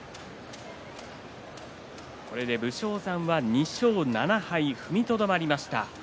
これで武将山は２勝７敗と踏みとどまりました。